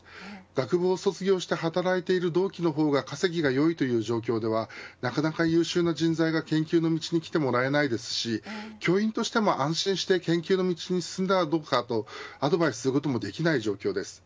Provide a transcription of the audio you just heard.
学部を卒業して働いてる同期の方が稼ぎがよいという状況ではなかなか優秀な人材が研究の道に来てもらえないですし教員としても安心して研究の道に進んだらどうかとアドバイスもできない状況です。